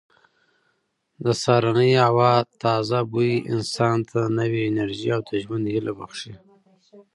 د سهارنۍ هوا تازه بوی انسان ته نوې انرژي او د ژوند هیله بښي.